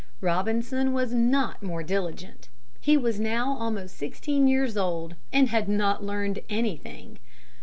Robinson was not more diligent. He was now almost sixteen years old and had not learned anything.